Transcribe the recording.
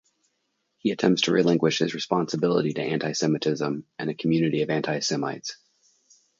He attempts to relinquish his responsibility to anti-Semitism and a community of anti-Semites.